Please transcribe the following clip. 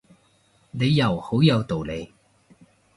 你又好有道理